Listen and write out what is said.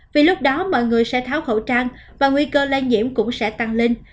vì lúc đó mọi người sẽ tháo khẩu trang và nguy cơ lây nhiễm cũng sẽ tăng lên